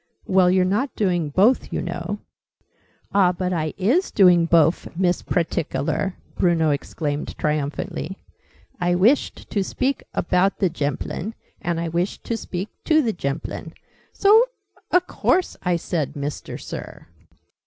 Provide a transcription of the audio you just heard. "Well, you're not doing both, you know." "Ah, but I is doing bofe, Miss Praticular!" Bruno exclaimed triumphantly. "I wishted to speak about the Gemplun and I wishted to speak to the Gemplun. So a course I said 'Mister Sir'!"